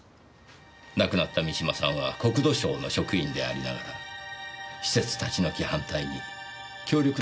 亡くなった三島さんは国土省の職員でありながら施設立ち退き反対に協力なさっていたそうですね。